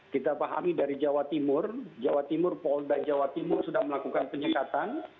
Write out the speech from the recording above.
kita pahami dari jawa timur jawa timur polda jawa timur sudah melakukan penyekatan